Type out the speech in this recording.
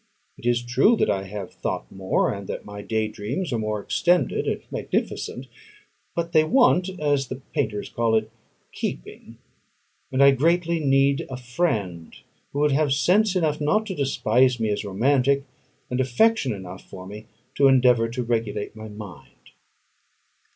It is true that I have thought more, and that my day dreams are more extended and magnificent; but they want (as the painters call it) keeping; and I greatly need a friend who would have sense enough not to despise me as romantic, and affection enough for me to endeavour to regulate my mind.